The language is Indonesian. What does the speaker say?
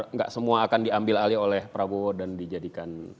nggak semua akan diambil alih oleh prabowo dan dijadikan